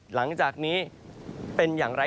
หลังจากนี้เป็นอย่างไร